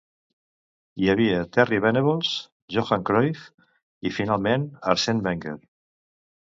Hi havia Terry Venables, Johan Cruyff i, finalment, Arsène Wenger.